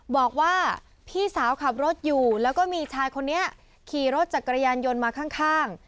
บอกว่าพี่สาวขับรถอยู่แล้วก็มีชายคนนี้ขี่รถจักรยานยนต์มาข้าง